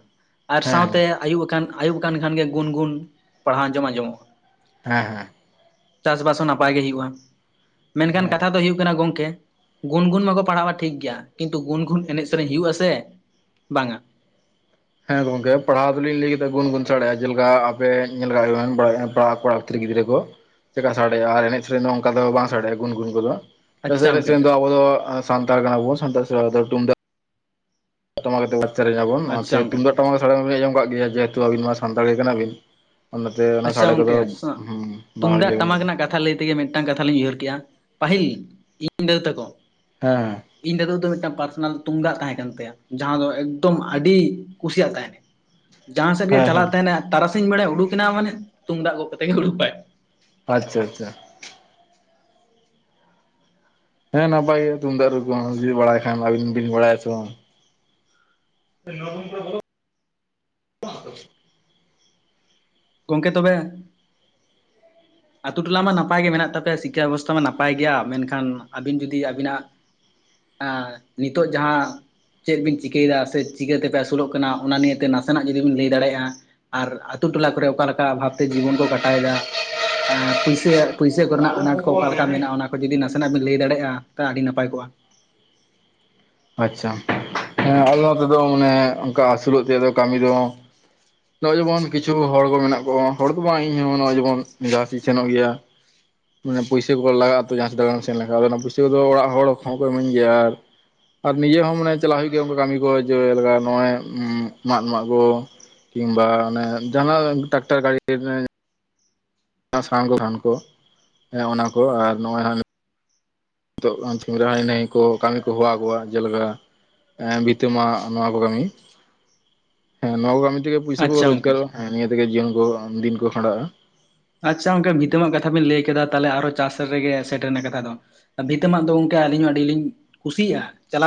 ᱟᱨ ᱦᱮᱸ ᱥᱟᱶᱛᱮ ᱟᱹᱭᱩᱵ ᱟᱠᱟᱱ ᱟᱭᱩᱵ ᱟᱠᱟᱱ ᱠᱷᱟᱱᱜᱮ ᱜᱩᱱ ᱜᱩᱱ ᱯᱟᱲᱦᱟᱣ ᱟᱸᱡᱚᱢ ᱟᱸᱡᱚᱢᱚᱜᱼᱟ ᱦᱮᱸ ᱦᱮᱸ ᱪᱟᱥᱵᱟᱥ ᱦᱚᱸ ᱱᱟᱯᱟᱭ ᱜᱮ ᱦᱳᱭᱳᱜᱼᱟ ᱢᱮᱱᱠᱷᱟᱱ ᱦᱮᱸ ᱠᱟᱛᱷᱟ ᱫᱚ ᱦᱳᱭᱳᱜ ᱠᱟᱱᱟ ᱦᱩᱭᱩᱜ ᱠᱟᱱᱟ ᱜᱚᱝᱠᱮ ᱜᱩᱱ ᱜᱩᱱ ᱢᱟᱠᱚ ᱯᱟᱲᱦᱟᱜᱼᱟ ᱴᱷᱤᱠ ᱜᱮᱭᱟ ᱠᱤᱱᱛᱩ ᱜᱩᱱ ᱜᱩᱱ ᱮᱱᱮᱡ ᱥᱮᱨᱮᱧ ᱦᱩᱭᱩᱜ ᱟᱥᱮ ᱵᱟᱝᱟ ᱦᱮᱸ ᱜᱚᱝᱠᱮ ᱯᱟᱲᱦᱟᱣ ᱫᱚᱞᱤᱧ ᱞᱟᱹᱭ ᱠᱮᱫ ᱜᱩᱱ ᱜᱩᱱ ᱥᱟᱲᱮᱭᱟ ᱡᱮᱞᱮᱠᱟ ᱟᱯᱮ ᱧᱮᱞ ᱞᱮᱠᱟ ᱠᱟᱹᱴᱤᱡ ᱜᱤᱫᱽᱨᱟᱹ ᱠᱚ ᱪᱮᱠᱟ ᱥᱟᱰᱮᱭᱟ ᱟᱨ ᱮᱱᱮᱡ ᱥᱮᱨᱮᱧ ᱫᱚ ᱚᱱᱠᱟ ᱫᱚ ᱵᱟᱝ ᱥᱟᱰᱮᱭᱟᱜᱼᱟ ᱜᱩᱱ ᱜᱩᱱ ᱠᱚᱫᱚ ᱟᱪᱪᱷᱟ ᱜᱚᱝᱠᱮ ᱮ ᱫᱚ ᱟᱵᱚ ᱫᱚ ᱥᱟᱱᱛᱟᱲ ᱠᱟᱱᱟ ᱵᱚᱱ ᱥᱟᱱᱛᱟᱲ ᱛᱩᱢᱫᱟᱜ [inaudible] ᱟᱪᱪᱷᱟ ᱚᱱᱟᱛᱮ ᱜᱚᱝᱠᱮ ᱛᱩᱢᱫᱟᱜ ᱴᱟᱢᱟᱠ ᱥᱮ ᱵᱤᱱ ᱟᱸᱚᱢ ᱠᱫ ᱜᱮᱭᱟ ᱡᱮᱦᱮᱛᱩ ᱟᱵᱤᱱ ᱢᱟ ᱥᱟᱱᱛᱟᱲᱤ ᱠᱟᱱᱟ ᱵᱤᱱ ᱚᱱᱟᱛᱮ ᱚᱱᱟ ᱟᱪᱷᱟ ᱥᱟᱰᱮ ᱠᱚᱫᱚ ᱜᱚᱝᱠᱮ ᱵᱟᱝᱞᱤᱧ ᱛᱩᱢᱫᱟᱜ ᱞᱟᱹᱭᱟᱵᱤᱱ ᱴᱟᱢᱟᱠ ᱠᱟᱱᱟ ᱨᱮᱱᱟᱜ ᱠᱟᱛᱷᱟ ᱞᱟᱹᱭ ᱛᱮᱜᱮ ᱢᱤᱫᱴᱮᱱ ᱢᱤᱫᱴᱟᱝ ᱠᱟᱛᱷᱟ ᱞᱤᱧ ᱩᱭᱦᱟᱹᱨ ᱠᱮᱫᱮᱜᱼᱟ ᱯᱟᱹᱦᱤᱞ ᱤᱧ ᱫᱟᱹᱫᱩ ᱛᱟᱠᱚ ᱦᱮᱸ ᱤᱧ ᱫᱟᱫᱩ ᱫᱚ ᱢᱤᱫᱴᱟᱝ ᱯᱟᱨᱥᱚᱱᱟᱞ ᱛᱩᱢᱫᱟᱜ ᱛᱟᱦᱮᱸ ᱠᱟᱱ ᱛᱟᱭᱟ ᱡᱟᱦᱟᱸ ᱫᱚ ᱮᱠᱫᱚᱢ ᱟᱹᱰᱤ ᱠᱩᱥᱤᱭᱟᱜ ᱛᱟᱦᱮᱱᱟ ᱡᱟᱦᱟᱸ ᱥᱮᱫ ᱜᱮ ᱦᱮᱸ ᱦᱮᱸ ᱪᱟᱞᱟᱜ ᱛᱟᱦᱮᱱᱟ ᱛᱟᱨᱟᱥᱤᱧ ᱵᱮᱲᱮ ᱩᱰᱩᱠᱮᱭ ᱢᱟᱱᱮ ᱛᱩᱢᱫᱟᱜ ᱜᱚᱜ ᱠᱟᱛᱮ ᱜᱮ ᱩᱰᱩᱠᱟᱭ ᱟᱪᱷᱟ ᱟᱪᱷᱟ ᱦᱮᱸ ᱱᱟᱯᱟᱭ ᱜᱮ ᱛᱩᱢᱫᱟᱜ ᱨᱩ ᱠᱚ ᱡᱩᱫᱤ ᱵᱟᱲᱟᱭ ᱠᱷᱟᱱ ᱟᱹᱵᱤᱱ ᱵᱤᱱ ᱵᱟᱲᱟᱭᱟ ᱥᱮ ᱵᱟᱝ [unintelligible] ᱜᱚᱝᱠᱮ ᱛᱚᱵᱮ ᱟᱛᱳ ᱴᱚᱞᱟ ᱢᱟ ᱱᱟᱯᱟᱭ ᱜᱮ ᱢᱮᱱᱟᱜ ᱛᱟᱯᱮᱭᱟ ᱥᱤᱠᱠᱷᱟ ᱵᱮᱵᱚᱥᱛᱷᱟ ᱢᱟ ᱱᱟᱯᱟᱭ ᱜᱮᱭᱟ ᱢᱮᱱᱠᱷᱟᱱ ᱟᱹᱵᱤᱱ ᱡᱩᱫᱤ ᱟᱹᱵᱤᱱᱟᱜ ᱟᱨ ᱱᱤᱛᱚᱜ ᱡᱟᱦᱟᱸ ᱪᱮᱫ ᱵᱤᱱ ᱪᱤᱠᱟᱹᱭᱮᱫᱟ ᱥᱮ ᱪᱤᱠᱟᱹ ᱛᱮᱯᱮ ᱟᱹᱥᱩᱞᱚᱜ ᱠᱟᱱᱟ ᱚᱱᱟ ᱱᱤᱭᱮᱛᱮ ᱱᱟᱥᱮᱱᱟᱜ ᱡᱩᱫᱤ ᱵᱤᱱ ᱞᱟᱹᱭ ᱫᱟᱲᱮᱭᱟᱜᱼᱟ ᱟᱨ ᱟ. ᱛᱳ ᱴᱚᱞᱟ ᱠᱚᱨᱮ ᱚᱠᱟ ᱞᱮᱠᱟ ᱵᱷᱟᱵᱛᱮ ᱡᱤᱵᱚᱱ ᱠᱚ ᱠᱟᱴᱟᱣ ᱮᱟ ᱯᱩᱭᱥᱟᱹ ᱯᱩᱭᱥᱟᱹ ᱠᱚᱨᱮᱱᱟᱜ ᱟᱱᱟᱴ ᱠᱚ ᱚᱠᱟ ᱞᱮᱠᱟ ᱢᱮᱱᱟᱜᱼᱟ ᱚᱱᱟ ᱠᱚ ᱡᱩᱫᱤ ᱱᱟᱥᱮᱱᱟᱜ ᱵᱤᱱ ᱞᱟᱹᱭ ᱫᱟᱲᱮᱼᱟ ᱛᱟᱦᱚᱞᱮ ᱟᱹᱰᱤ ᱱᱟᱯᱟᱭ ᱠᱚᱜᱼᱟ ᱟᱪᱷᱟ ᱦᱮᱸ ᱟᱞᱮ ᱱᱚᱛᱚ ᱢᱟᱱᱮ ᱚᱱᱠᱟ ᱟᱹᱥᱩᱞᱚᱜ ᱛᱮ ᱫᱚ ᱠᱟᱹᱢᱤ ᱫᱚ ᱱᱚᱜᱼᱚᱭ ᱡᱮᱢᱚᱱ ᱠᱤᱪᱷᱩ ᱦᱚᱲ ᱠᱚ ᱢᱮᱱᱟᱜ ᱠᱚᱣᱟ ᱦᱚᱲ ᱫᱚ ᱵᱟᱝ ᱤᱧᱦᱚᱸ ᱱᱚᱜᱚᱭ ᱡᱮᱢᱚᱱ ᱡᱟᱦᱟᱸᱥᱤᱧ ᱥᱮᱱᱚᱜ ᱜᱮᱭᱟ ᱢᱟᱱᱮ ᱯᱩᱭᱥᱟᱹ ᱠᱚ ᱞᱟᱜᱟᱜᱼᱟ ᱛᱚ ᱡᱟᱦᱟᱸᱟᱥ ᱫᱟᱜᱟᱱᱢ ᱥᱮᱱ ᱞᱮᱠᱷᱟᱟᱱ ᱟᱫᱚ ᱚᱱᱟ ᱯᱩᱭᱥᱟᱹ ᱠᱚᱫᱚ ᱚᱲᱟᱜ ᱦᱚᱲᱦᱚᱸᱠᱚ ᱤᱟᱹᱧ ᱜᱮᱭᱟ ᱟᱨ ᱟᱨ ᱱᱤᱡᱮ ᱦᱚᱸ ᱢᱟᱱᱮ ᱪᱟᱞᱟᱜ ᱦᱩᱭᱩᱜ ᱜᱮᱭᱟ ᱚᱱ ᱠᱟᱹᱢᱤ ᱠᱚ ᱡᱮᱞᱮᱠᱟ ᱱᱚᱜᱼᱚᱭ ᱢᱟᱜ ᱢᱟᱜ ᱠᱚ ᱠᱤᱝᱵᱟ ᱢᱟᱱᱮ ᱡᱟᱦᱱᱟᱜ ᱴᱟᱠᱴᱟᱨ ᱜᱤ ᱚᱱᱟ ᱥᱟᱱ ᱠᱚ ᱨᱟᱱ ᱠᱚ ᱚᱱᱟ ᱠᱚ ᱟᱨ ᱱᱚᱜᱼᱚᱭᱟ ᱱᱤᱛᱚᱜ ᱥᱚᱦᱨᱟᱭ ᱮᱱᱮᱡ ᱠᱚ ᱠᱟᱹᱢᱤ ᱠᱚ ᱦᱚᱦᱚ ᱟᱠᱚᱣᱟ ᱡᱮᱞᱮᱠᱟ ᱵᱷᱤᱛᱟᱹ ᱢᱟᱜ ᱱᱚᱣᱟ ᱠᱚ ᱠᱟᱹᱢᱤ ᱦᱮᱸ ᱱᱚᱣᱟ ᱠᱚ ᱠᱟᱹᱢᱤ ᱛᱮᱜᱮ ᱯᱚᱭᱥᱟ ᱠᱚ ᱟᱪᱪᱷᱟ ᱜᱚᱝᱠᱮ ᱨᱚᱡᱜᱟᱨᱚᱜᱼᱟ ᱦᱮᱸ ᱱᱤᱭᱟᱹ ᱛᱮᱜᱮ ᱡᱤᱭᱚᱱ ᱠᱚ ᱫᱤᱱ ᱠᱚ ᱠᱷᱟᱸᱰᱟᱜᱼᱟ ᱟᱪᱷᱟ ᱜᱚᱝᱠᱮ ᱱᱤᱛᱟᱹᱢᱟᱜ ᱠᱟᱛᱷᱟ ᱵᱮᱤᱱ ᱞᱟᱹᱭ ᱠᱮᱫᱟ ᱛᱟᱦᱚᱞᱮ ᱟᱨᱚ ᱪᱟᱥ ᱨᱮᱜᱮ ᱥᱮᱴᱮᱨᱮᱱᱟ ᱠᱟᱛᱷᱟ ᱫᱚ ᱵᱷᱤᱛᱟᱹᱢᱟᱜ ᱫᱚ ᱜᱚᱝᱠᱮ ᱟᱹᱞᱤᱧ ᱦᱚᱸ ᱟᱹᱰᱤᱞᱤᱧ ᱠᱩᱥᱤᱭᱟᱜᱼᱟ ᱪᱟᱞᱟᱣ